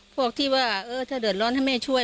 พวกที่ว่าถ้าเดือดร้อนให้แม่ช่วย